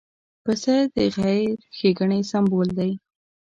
پسه د خیر ښېګڼې سمبول دی.